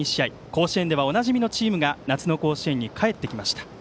甲子園ではおなじみのチームが夏の甲子園に帰ってきました。